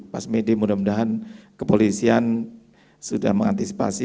pasmede mudah mudahan kepolisian sudah mengantisipasi